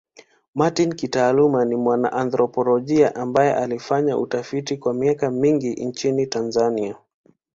Martin kitaaluma ni mwana anthropolojia ambaye amefanya utafiti kwa miaka mingi nchini Tanzania.